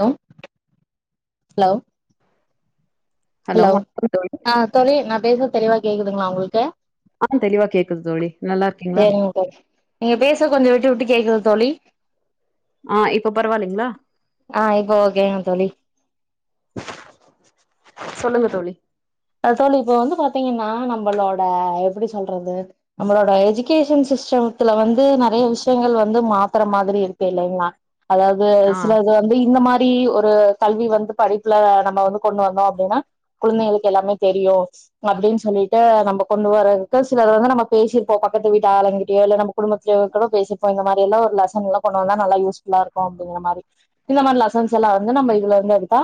hello hello hello வணக்கம் தோழி ஆ தோழி நா பேசுறது தெளிவா கேக்குதுங்ளா உங்களுக்கு ஆ தெளிவா கேக்குது தோழி நல்லா இருக்கீங்களா சேரிங்க தோழி நீங்க பேச கொஞ்சம் விட்டு விட்டு கேக்குது தோழி ஆ இப்ப பரவாயில்லைங்களா ஆ இப்போ ஓகேங்க தோழி சொல்லுங்க தோழி தோழி இப்போ வந்து பாத்தீங்கன்னா நம்மளோட எப்படி சொல்றது நம்மளோட எஜுகேஷன் சிஸ்டம்த்துல வந்து நெறய விஷயங்கள் வந்து மாத்தற மாதிரி இருக்கு இல்லைங்ளா அதாவது ஆ சிலது வந்து இந்த மா திரி ஒரு கல்வி வந்து படிப்புல நம்ம வந்து கொண்டு வந்தோ அப்டின்னா குழந்தைகளுக்கு எல்லாமே தெரியு அப்படின் சொல்லிட்டு நம்ம கொண்டு வரதுக்கு சிலர் வந்து நம்ம பேசிருப்போ பக்கத்து வீட்டு ஆளுங்கிட்டயோ இல்ல நம்ம குடும்பத்திலியோ கூட பேசிருப்போ இந்த மாரில்லா ஒரு லெசன்ல்லா கொண்டு வந்தா நல்லா யூஸ்ஃபுல்லா இருக்கு அப்படிங்கிற மாரி இந்த மாரி லெசன்ஸ் எல்லா வந்து நம்ம இதுல வந்து எடுத்தா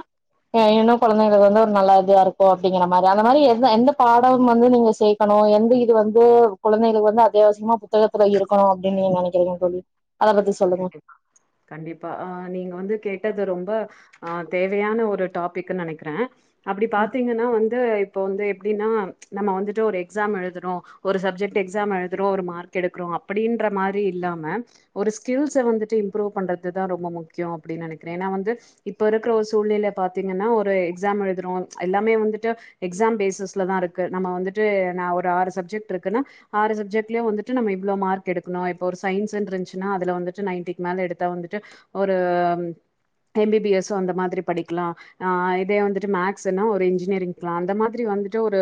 அ இன்னு கொழந்தைங்கள வந்து ஒரு நல்ல இதுவா இருக்கு ஓ அப்படிங்கிற மாரி அந்த மாரி எந்த எந்த பாடம் வந்து நீங்க சேக்கணு எந்த இது வந்து குழந்தைகளுக்கு வந்து அத்தியாவசியமா புத்தகத்துல இருக்கணு அப்படின் நீங்க நெனைக்கிறீங்க தோழி அத பத்தி சொல்லுங்க கண்டிப்பா கண்டிப்பா ஆஹ் நீங்க வந்து கேட்டது ரொம் ப ஆ தேவையான ஒரு டாபிக்ன் நெனைக்கிறே அப்டி பாத்தீங்கன்னா வந்து இப்போ வந்து எப்டின்னா நம்ம வந்துட்டு ஒரு எக்ஸாம் எழுதுறோ ஒரு சப்ஜெக்ட் எக்ஸாம் எழுதுறோ ஒரு மார்க் எடுக்கிறோ அப்டின்ற மாரி இல்லாம ஒரு ஸ்கில்ஸ வந்துட்டு இம்ப்ரூவ் பண்றது தா ரொம்ப முக்கியோ அப்டின் நெனைக்கிறே ஏனா வந்து இப்ப இருக்குற ஒரு சூழ்நில பாத்தீங்கன்னா ஒரு எக்ஸாம் எழுதுறோ எல்லாமே வந்துட்டு எக்ஸா பேசிஸ்ல தா இருக்கு நம்ம வந்துட்டு நா ஒரு ஆறு சப்ஜெக்ட் இருக்குன்னா ஆறு சப்ஜெட்லயே வந்துட்டு நம்ம இவ்ளோ மார்க் எடுக்கணு இப்போ ஒரு சயின்ஸ் இருந்துச்சுன்னா அதுல வந்துட்டு நைன்ட்டிக்கு மேல எடுத்தா வந்துட்டு ஒரு M B B S so அந்த மாதிரி படிக்கலா அ இதே வந்துட்டு மேக்ஸுனா ஒரு இன்ஜினியரிங் போலா அந்த மாதிரி வந்துட்டு ஒரு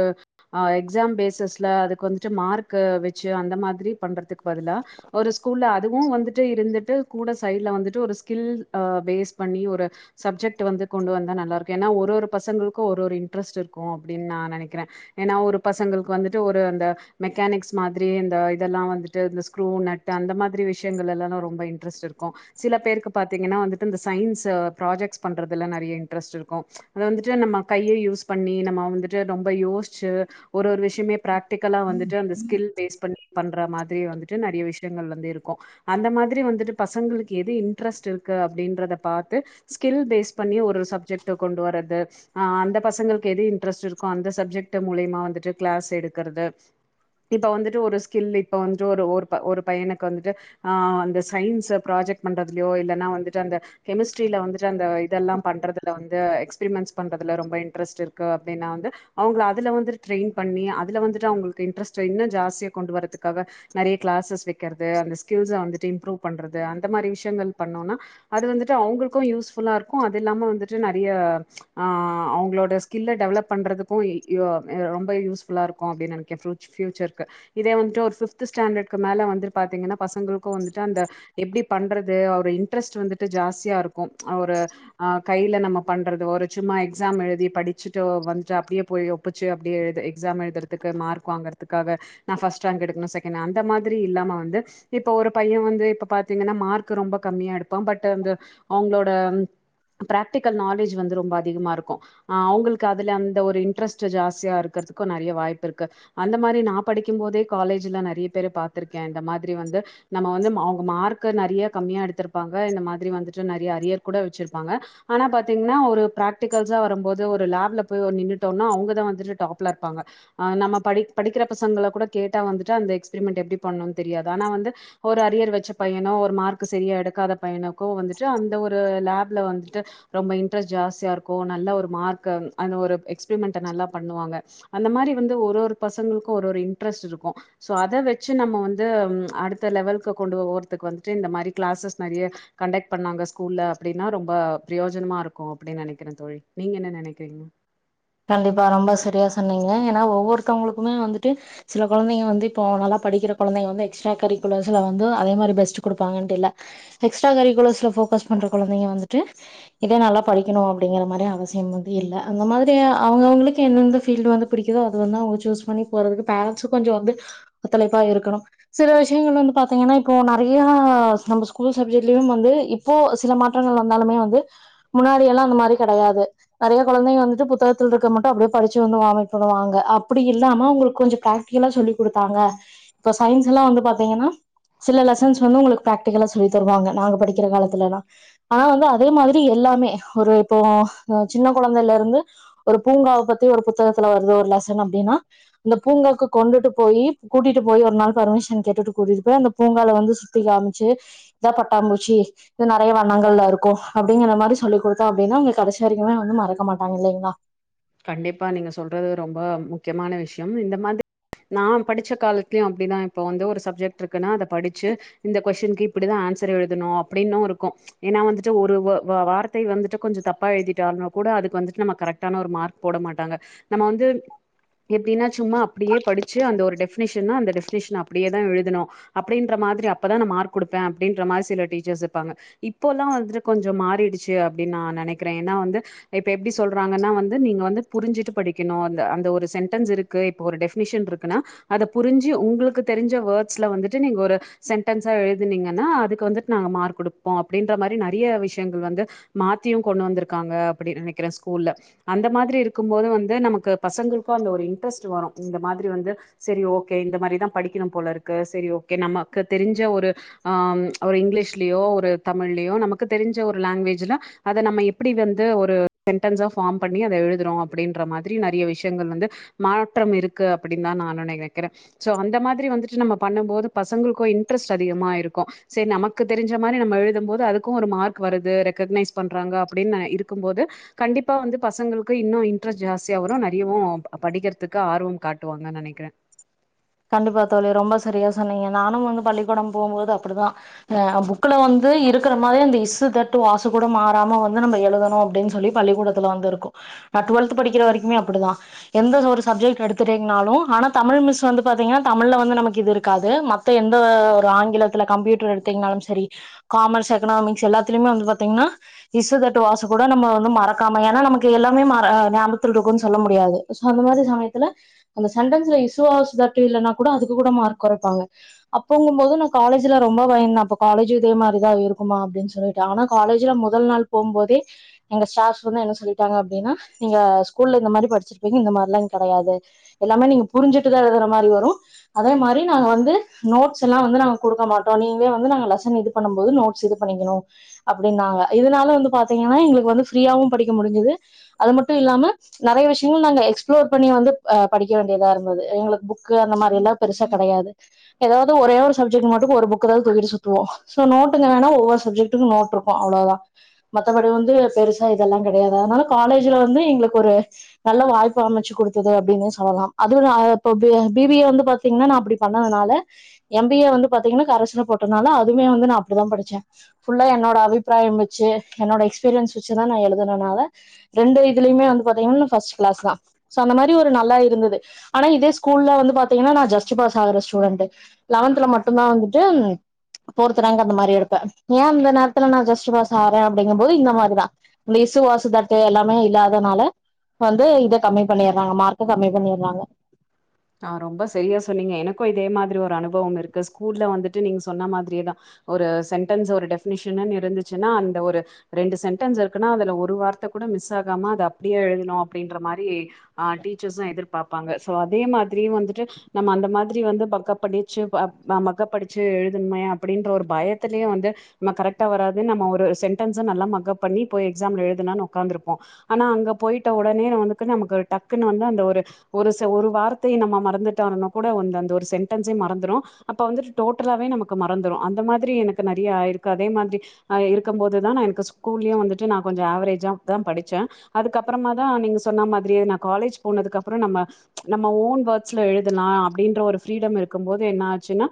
அ எக்ஸாம் பேசஸ்ல அது கொஞ்ச மார்க்கு வச்சு அந்த மாதிரி பண்றதுக்கு பதுலா ஒரு ஸ்கூல்ல அத் துவும் வந்துட் ட்டு இருந்துட்டு கூட சைட்ல வந்துட்டு ஒரு ஸ்கில் அ பேஸ் பண்ணி ஒரு சப்ஜெக்ட்டு வந்து கொண்டு வந்தா நல்லா இருக்கும் ஏன்னா ஒரு ஒரு பசங்களுக்கும் ஒரு ஒரு இன்ட்ரெஸ்ட் இருக்கும் அப்புடின் நான் நெனைக்கிறன் ஏன்னா ஒரு பசங்களுக்கு வந்துட்டு ஒரு அந்த மெக்கானிக்ஸ் மாதிரி இந்த இதெல்லாம் வந்துட்டு இந்த ஸ்க்ரு நட் அந்த மாதிரி விஷயங்கள் எல்லா னோ ரொம்ப இன்ட்ரெஸ்ட் இருக்கும் சில பேருக்கு பாத்தீங்கனா வந்துட்டு இந்த சைன்ஸ் ப்ராஜெக்ட்ஸ் பண்றதுல நெறைய இன்ட்ரெஸ்ட் இருக்கும் அதுல வந்துட்டு நம்ம கையே யூஸ் பண்ணி நம்ம வந்துட்டு ரொம்ப யோஸ்ச்சி ஒரு ஒரு விஷயமே ப்ராக் டிக்கலா வந்துட்டு அந்த ஸ்கில் பேஸ் பண்ணி பண்ற மாதிரி வந்துட்டு நறைய விஷயங்கள் வந்து இருக்கும் அந்த மாதிரி வந்துட்டு பசங்களுக்கு எது இன்ட்ரெஸ்ட் இருக்கு அப்புடின்றத பாத்து ஸ்கில் பேஸ் பண்ணி ஒரு சப்ஜெக்ட கொண்டு வர்றது அ அந்த பசங்களுக்கு எது இன்ட்ரெஸ்ட் இருக்கும் அந்த சப்ஜெக்ட் மூலயமா வந்துட்டு கிளாஸ் எடுக்கறது இப்ப வந்துட்டு ஒரு ஸ்கில் இப்ப வந்துட்டு ஒரு ஒரு ப ஒரு பையனுக்கு வந்துட்டு ஆ அந்த சயின்ஸ் ப்ராஜெக்ட் பண்றதுலியோ இல்லன்னா வந்துட்டு அந்த கெமிஸ்ட்ரியில வந்துட்டு அந்த இதெல்லாம் பண்றதுல வந்து எக்ஸ்ப்ரிமெண்ட்ஸ் பண்றதுல ரொம்ப இன்ட்ரெஸ்ட் இருக்கு அப்டின்னா வந்து அவங்க அதுல வந்துட்டு ட்ரெயின் பண்ணி அதுல வந்துட்டு அவங்களுக்கு இன்ட்ரெஸ்ட் இன்னும் ஜாஸ்தியா கொண்டு வரதுக்காக நறைய கிளாஸஸ் வெக் கிறது அந்தஸ் உசா வந்துட்டு இம்ப்ரூவ் பண்றது அந்த மாரி விஷ்யங்கள் பண்ணோம்னா அது வந்துட்டு அவங்களுக்கும் யூஸ்ஃபுள்ளா இருக்கும் அது இல்லாம வந்துட்டு நிறைய ஆஹ் அவங்களோட ஸ்கில்ல டெவலப் பண்றதுக்கு ரொம்ப யூஸ்ஃபுள்ளா இருக்கு எ ஃப்ருச் ப்யூச்சர்க்கு இதே வந்துட்டு ஒரு ஃபிப்த் ஸ்டாண்டர்டுக்கு மேல வந்து பார்த்தீங்கன்னா கோ வந்துட்டு அந்த எப்டி பண்றது அவரு இன்ட்ரெஸ்ட் வந்துட்டு ஜாஸ்தியா இருக்கு அவுரு அ கைல நம்ம பண்றது ஒரு சும்மா எக்ஸாம் எழுதி படிச்சுட்டு வந்துட்டு அப்படியே போய் ஒப்புச்சு அப்படியே எக்ஸாம் எழுதுறதுக்கு மார்க் வாங்குறதுக்காக நா ஃபர்ஸ்ட் ராங்க் எடுக்கணு செகன்டட் அந்த மாத்ரி இல்லாம வந்து இப்ப ஒரு பையன் வந்து இப்ப பார்த்தீங்கன்னா மார்க் ரொம்ப கம்மியா எடுப்பான் பட் அந்த அவங்களோட பிராக்டிக்கல் நாலேட்ஜ் வந்து ரோம்ப அதிகமா இருக்கு அ அவங்களுக்கு அதுல அந்த ஒரு இன்ட்ரெஸ்ட் ஜாஸ்தியா இருக்கிறதுக்கு நறைய வாய்ப்பு இருக்கு அந்த மாத்ரி நா படிக்கும்போதே காலேஜ்ல நறிய பேரு பாத்ருக்கே இந்த மாத்ரி வந்து நம்ம வந்து அவ்ங்க மார்க்கு நறிய கம்மியா எடுத்திருப்பாங்க இந்த மாதிரி வந்துட்டு நறிய அரியர் கூட வச்சிருப்பாங்க ஆனா பாத்தீங்கன்னா ஒரு பிராக்டிகல்ஸு வரும்போது ஒரு லேப்ல போய் நின்னுட்டம்னா அவங்கதா வந்துட்டு டாப்ல இருப்பாங்க நம்ம படி படிக்கிற பசங்கள கூட கேட்டா வந்துட்டு அந்த எக்ஸ்பெரிமெண்ட் எப்டி பண்ணுன் தெரியாது ஆனா வந்து ஒர் அரியர் வச்ச பையனோ ஒரு மார்க் சரியா எடுக்காத பையனோ கோ வந்துட்டு அந்த ஒரு லேப்ல வந்துட்டு ரொம்ப இன்ட்ரெஸ்ட் ஜாஸ்தி யா இருக்கு நல்ல ஒரு மார்க் அந்த ஒரு எக்ஸ்பெரிமென்ட்ட நல்லா பண்ணுவாங்க அந்த மாரி வந்து ஒரு ஒரு பசங்ளுக்கு ஒரு ஒரு இன்ட்ரெஸ்ட் இருக்கு அத வெச்சு நம்ம வந்து அடுத் த லெவல்கு கொண்டு ஒ ஓற்துக்கு வந்துட்டு இந்த மாரி க்ளாசஸ் நறைய கண்டக்ட் பண்ணாங்க ஸ்கூல்ல அப்படின்னா ரொம்ப பிரயோஜனமா இருக்கு அப்டின் நெனைக்கிற தோழி நீங்க என்ன நெனக்கிறீங்க கண்டிப்பா ரொம்ப சரியா சொன்னீங்க ஏனா ஒவ்வொருத்தவங்களுக்குமே வந்துட்டு சில கொழந்தைங்க வந்து இப்போ நல்லா படிக்கிற கொழந்தைங்க வந்து எக்ஸ்ட்ரா கரிக்குலர்ஸ்ல வந்து அதே மாதிரி பெஸ்ட் குடுப்பாங்கட்டு இல்ல எக்ஸ்ட்ரா கரிக்குலர்ஸ்ல ஃபோக்கஸ் பண்ற குழந்தைங்க வந்துட்டு இதே நல்லா படிக்கணு அப்டிங்கிற மாரி அவசியம் வந்து இல்ல அந்த மாரி அவங்கவுங்ளுக்கு எந்தெந்த பீல்டு வந்து பிடிக்குதோ அது வந்து அவங்க சூஸ் பண்ணி போறதுக்கு பேரண்ட்ஸ கொஞ்ச வந்து ஒத்துழைப்பா இருக்கணும் சில விஷ்யங்கள் வந்து பாத்தீங்கன்னா இப்போ நிறைய நம்ம ஸ்கூல் சப்ஜெக்ட்லியும் வந்து இப்போ சில மாற்றங்கள் வந்தாலுமே வந்து முன்னாடி எல்லா அந்த மாரி கடையாது நறைய கொழந்தைங்க வந்துட்டு புத்தகத்துல இருக்க மட்டு அப்டியே படிச்சு வந்து வாமிட் பண்ணுவாங்க அப்டி இல்லாம அவங்ளுக்கு கொஞ்ச பிராக்டிகலா சொல்லி கொடுத்தாங்க இப்ப சயின்ஸ் எல்லாம் வந்து பாத்தீங்கன்னா சில லெசன்ஸ் வந்து உங்களுக்கு பிராக்டிகலா சொல்லி தருவாங்க நாங்க படிக்கிற காலத்துல எல்லா ஆனா வந்து அதே மாரி எல்லாமே ஒரு இப்போ சின்ன கொழந்தைலேந்து ஒரு பூங்காவ பத்தி ஒரு புத்தகத்துல வருது ஒரு லெசன் அப்டின்னா அந்த பூங்காக்கு கொண்டுட்டு போய் கூட்டிட்டு போய் ஒரு நாள் பர்மிஷன் கேட்டுட்டு கூட்டிட்டு போய் அந்த பூங்கால வந்து சுத்தி காமிச்சு இதா பட்டாம்பூச்சி இது நறைய வண்ணங்கள்ல இருக்கும் அப்படிங்கிற மாதிரி சொல்லி் கொடுத்தோ அப்டின்னா இத கடைசி வரக்குமே வந்து மறக்க மாட்டாங்க இல்லைங்ளா கண்டிப்பா நீங்க சொல்றது ரொம்ப முக்யமான விஷ்யம் இந்த மாரி நா படிச்ச காலத்துலியும் அப்டிதா இப்ப வந்து ஒரு சப்ஜெக்ட் இருக்குன்னா அத படிச்சு இந்த கொஸ்டினுக்கு இப்டிதா ஆன்சர் எழுதனு அப்படின்னு இருக்கு ஏன்னா வந்துட்டு ஒரு வார்த்தை வந்துட்டு கொஞ்ச தப்பா எழுதிட்டாலு கூட அதுக்கு வந்துட்டு நம்ம கரெக்டான ஒரு மார்க் போட மாட்டங்க நம்ம வந்து எப்டினா சும்மா அப்டியே படிச்சு அந்த ஒரு டெஃபநெஷன்னா அந்த டெஃபநெஷன அப்படியே தான் எழுதனு அப்டின்ற மாரி அப்ப தா நானமார்க் குடுப்பே அப்டின்ற மாரி சில டீச்சர்ஸ் இருப்பாங்க இப்பல்லா வந்து கொஞ்ச மாறிடுச்சுனு நா நனைக்கிறே ஏன்னா வந்து இப்ப எப்டி சொல்றாங்கன்னா நீங்க வந்து புரிஞ்சுட்டு படிக்கணு அந்த அந்த ஒரு சென்டஸ் இருக்கு இப்ப ஒரு டெஃபனெஷன் இருக்குன்னா அத புரிஞ்சு உங்ளுக்கு தெரிஞ்ச வேர்ட்ஸ்ல வந்துட்டு நீங்க ஒரு சென்டன்ஸா எழுதினீங்கன்னா அதுக்கு வந்துட்டு நாங்க மார்க் கொடுப்போம் அப்படின்ற மாதிரி நிறைய விஷ்யங்கள் வந்து மாத்தியு கொண்டு வந்திருக்காங்க அப்டி நனைக்கிறே ஸ்கூல்ல அந்த மாத்ரி இருக்கும்போது வந்து நமக்கு பசங்ளுக்கும் அந்த ஒரு இன்ட்ரெஸ்ட் வரு இந்த மாத்ரி வந்து சரி ஓகே இந்த மாத்ரிதா படிக்கணும்போல இருக்கு சரி ஓகே நமக்கு தெரிஞ்ச ஒரு அ ஒரு இங்கிலீஷ்லியோ ஒரு தமிழ்லியோ நமக்கு தெரிஞ்ச ஒரு லாங்குவேஜ்ல அத நம்ம எப்டி வந்து ஒரு சென்டன்ஸா ஃபார்ம் பண்ணி அத எழுதுறோ அப்டின்ற மாத்ரி நறைய விஷ்யங்கள் வந்து மாற்றம் இருக்கு அப்டின்னு தா நா நனைக்கிறேன் சோ அந்த மாதிரி வந்தட்டு பண்ணும் போது பசங்களுக்கும் இன்ட்ரெஸ்ட் அதிகமா ஆயிருக்கு சரி நமக்கு தெரிஞ்ச மாத்ரி நம்ம எழுதும்போது அதுக்கு ஒரு மார்க் வருது ரெகக்னைஸ் பண்றாங்க அப்டின் நா இருக்கும்போது கண்டிப்பா வந்து பசங்களுக்கு இன்னு இன்ட்ரெஸ்ட் ஜாஸ்தியா வரு நெறையவு படிக்கிறதுக்கு ஆர்வம் காட்டுவாங்கன் நெனைக்கிற கண்டிப்பா தோழி ரொம்ப சரியா சொன்னிங்க நானும் வந்து பள்ளிக்கூடம் போகும்போது அப்படிதா ஆ புக்குல வந்து இருக்கிற மாதிரி அந்த இஸ்சு தட்டு வாசு கூட மாறாம வந்து நம்ம எழுதணு அப்படின்னு சொல்லி பள்ளிக்கூடத்துல வந்து இருக்கு நா டுவெல்த்து படிக்கிற வரைக்குமே அப்படிதா எந்த ஒரு சப்ஜெக்ட் எடுத்துட்டிங்கனாலு ஆனா தமிழ் மிஸ் வந்து பாத்திங்கனா தமிழ்ல வந்து நமக்கு இது இருக்காது மத்த எந்த ஒரு ஆங்கிலத்துல கம்ப்யூட்டர் எடுத்திங்னாலும் சரி காமர்ஸ் எகனாமிக்ஸ் எல்லாத்துலியுமே வந்து பாத்திங்னா இஸ்சு தட்டு வாஸ் கூட நம்ம வந்து மறக்காமா ஏன்னா நமக்கு எல்லாமே மற ஞாபத்துல இருக்குன் சொல்ல முடியாது சோ அந்த மாரி சமயத்துல அந்த சென்டன்ஸ்ல இஸ்சு வாஸ் தட் இல்லனா கூட அதுக்கு கூட மார்க் கொறைப்பாங்க அப்பங்கும்போது நா காலேஜ்ல ரொம்ப பயந்த அப்ப காலேஜு இதே மாரிதா இருக்குமா அப்டினு சொல்லிட்டு ஆனா காலேஜ்ல முதல் நாள் போம்போதே எங்க ஸ்டாஃப்ஸ் வந்து என்ன சொல்லிட்டாங்க அப்டின்னா நீங்க ஸ்கூல்ல இந்த மாரி படிச்சிருப்பிங்க இந்த மாரிலா இங்க கெடையாது எல்லாமே நீங்க புரிஞ்சுட்டுதா எழுதற மா ரி வரு அதே மாரி நாங்க வந்து நோட்ஸ் எல்லா வந்து நாங்க குடுக்க மாட்டோ நீங்களே வந்து நாங்க லெசன் இது பண்ணும் போது நோட்ஸ் இது பண்ணிக்கனு அப்படினாங்க இதுனாலு வந்து பாத்திங்கனா எங்களுக்கு வந்து ஃப்ரீயாவு படிக்க முடிஞ்சுது அது மட்டு இல்லாம நெறைய விஷயங்கள் நாங்க எக்ஸ்ப்ளோர் பண்ணி வந்து படிக்க வேண்டியதா இருந்தது எங்களுக்கு புக் கு அந்த மாரி எல்லா பெருசா கெடையாது அதாவது ஒரே ஒரு சப்ஜெக்ட் மட்டு ஒரு புக்குதா தூக்கிட்டு சுத்துவோ சோ நோட்டுங்க வேணா ஒவ்வொரு சப்ஜெக்ட்டுக்கு நோட் இருக்கு அவ்ளோதா மத்தபடி வந்து பெருசா இதெல்லா கெடையாது அதனால காலேஜ்ல வந்து எங்களுக்கு ஒரு நல்ல வாய்ப்பு அமைச்சு குடுத்தது அப்படின்னே சொல்லலா அதுவு நா அப்ப பி பி ஏ வந்து பாத்திங்கனா நா அப்படி பண்ணதுனால எம் பி ஏ வந்து பாத்திங்கனா கரஸ்ல போட்டனால அதுமே வந்து நா அப்படிதா படிச்சே ஃபுல்லா என்னோட அபிப்பிராயம் வெச்சு என்னோட எஸ்பீரியன்ஸ் வெச்சுதா நா எழுதுனனால ரெண்டு இதுலியுமே வந்து பாத்திங்கனா நா ஃபர்ஸ்ட் கிளாஸ்தா சோ அந்த மாரி ஒரு நல்லா இருந்தது ஆனா இதே ஸ்கூல்ல வந்து பாத்திங்கன்னா நா ஜஸ்ட் பாஸ் ஆகற ஸ்டூடெண்ட்டு லெவன்த்துல மட்டுந்தா வந்துட்டு ஃபோர்த் ரேங்க் அந்த மாரி எடுப்ப ஏ அந்த நேரத்துல நா ஜஸ்ட் பாஸ் ஆகறே அப்படிங்கும்போது இந்த மாரிதா அந்த இஸ்சு வாசு தட்டு எல்லாமே இல்லாதனால வந்து இத கம்மி பண்ணிர்றாங்க மார்க்க கம்மி பண்ணிர்றாங்க ஆ ஒன்னு இருக்கு ஸ்கூல்ல வந்துட்டு நீங்க சொன்ன மாதிரியேதா ஒரு செண்டன்ஸு ஒரு டெஃபனிஷனுன் இருந்துச்சுன்னா அந்த ஒரு ரெண்டு செண்டன்ஸ் இருக்குனா அதுல ஒரு வார்த்தை கூட மிஸ் ஆகாம அத அப்படியே எழுதனு அப்படின்ற மாரி ஆ டீச்சர்ஸு எதிர்பார்ப்பாங்க சோ அதே மாரி திடீர்னு வந்துட்டு நம்ம அந்த மாதிரி வந்து மக்கப் படிச்சு மக்கப் அடிச்சு எழுதனுமே அப்படின்ற ஒரு பயத்திலயே வந்து நம்ம கரெக்டா வராது நம்ம ஒரு சென்டன்ஸ நல்லா மக்கப் பண்ணி போய் எக்ஸாம்ல எழுதலானு உக்காந்துருப்போ ஆனா அங்க போயிட்ட உடனே வந்து நமக்கு டக்குன்னு வந்து அந்த ஒரு ஒரு செ ஒரு வார் த்தை நம்ம மறந்துட்டாலு கூட அந்த ஒரு சென்டன்ஸே மறந்துரு அப்ப வந்து டோட்டலாவே நமக்கு மறந்துரு அந்த மாதிரி எனக்கு நெறைய ஆயிருக்கு அதே மாதிரி இருக்கும் போதுதா நா எனக்கு ஸ்கூல்லியு வந்துட்டு நா கொஞ்ச ஆவரேஜாதா படிச்ச அதுக்கு அப்பறமாதா நீங்க சொன்ன மாதிரியே நா காலேஜ் போனதுக்கு அப்பற நம்ம ஓன் வேர்ட்ஸ்ல எழுதலா அப்படின்ற ஒரு ஃப்ரீடம் இருக்கும் போது என்ன ஆச்சுன்னா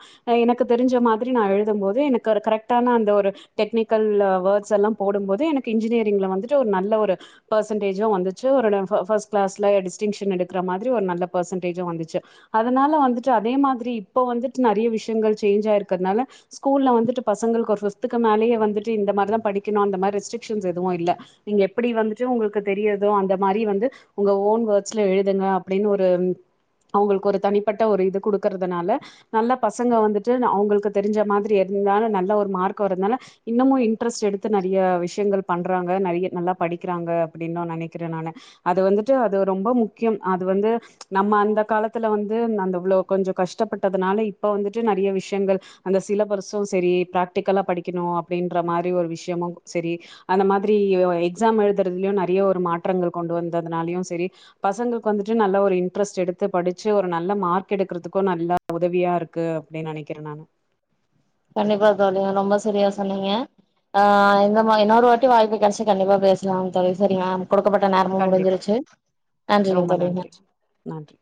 எனக்கு தெரிஞ்ச மாதிரி நா எழுதும்போது எனக்கு கரெக்டான அந்த ஒரு டெக்னிக்கல் வேர்ட்ஸ் எல்லா போடும்போது எனக்கு இன்ஜினியரிங்ல வந்துட்டு ஒரு நல்ல ஒரு பெர்சன்டேஜு வந்துச்சு ஒர ஃப ஃபர்ஸ்ட் கிளாஸ்ல டிஸ்டிங்ஷன் எடுக்கற மாதிரி ஒரு நல்ல பர்சன்டேஜு வந்துச்சு அதனால வந்துட்டு அதே மாதிரி இப்ப வந்துட்டு நெறைய விஷயங்கள் சேன்ச் ஆயிருக்கதனால ஸ்கூல்ல வந்துட்டு பசங்களுக்கு ஒரு ஃபிஃப்த்துக்கு மேலயே வந்துட்டு இந்த மாரிதா படிக்கணு அந்த மாரி ரெஸ்டிரிக்ஷன்ஸ் எதுவு இல்ல நீங்க எப்படி வந்துட்டு உங்களுக்கு தெரியுதோ அந்த மாரி வந்து உங்க ஓன் வேர்ட்ஸ்ல எழுதுங்க அப்டின்னு ஒரு அவங்களுக்கு ஒரு தனிப்பட்ட ஒரு இது குடுக்கறதுனால நல்ல பசங்க வந்துட்டு அவங்களுக்கு தெரிஞ்ச மாதிரி இருந்தாலு நல்ல ஒரு மார்க்கு வர்றதுனால இன்னமு இன்ட்ரெஸ்ட் எடுத்து நெறையா விஷயங்கள் பண்றாங்க நெறைய நல்லா படிக்கிறாங்க அப்படின்தா நெனைக்கிற நானு அது வந்துட்டு அது ரொம்ப முக்கியம் அது வந்து நம்ம அந்த காலத்துல வந்து அந்த இவ்ளோ கொஞ்ச கஷ்டப்பட்டதுனால இப்ப வந்துட்டு நெறைய விஷயங்கள் அந்த சிலபஸு செரி பிராக்டிகலா படிக்கணு அப்படின்ற மாரி ஒரு விஷயமு சரி அந்த மாதிரி எக்ஸாம் எழுதுறதுலியு நெறைய ஒரு மாற்றங்கள் கொண்டு வந்ததுனாலயு செரி பசங்களுக்கு வந்துட்டு நல்ல ஒரு இன் ட்ரெஸ்ட் எடுத்து படிச்சு ஒரு நல்ல மார்க் எடுக்குறதுக்கு நல்ல உதவியா இருக்கு அப்படின் நெனைக்கிற நானு கண்டிப்பா தோழி ரொம்ப சரியா சொன்னீங்க ஆ இந்த மாதிரி இன்னொரு வாட்டி வாய்ப்பு கிடைச்சா கண்டிப்பா பேசலாம தோழி சரியா கொடுக்கப்பட்ட நேரமு கண்டிப்பா முடிஞ்சிருச்சு நன்றிகள் தோழி நன்றி நன்றி